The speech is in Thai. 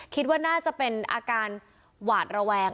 คิดว่าน่าจะเป็นอาการหวาดระแวง